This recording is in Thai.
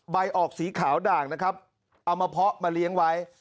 ใบออกสีขาวด่างนะครับเอามาเพาะมาเลี้ยงไว้